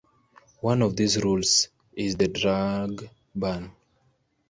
One of these rules is the drug ban.